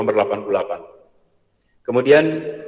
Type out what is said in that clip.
kemudian beberapa tanggung jawab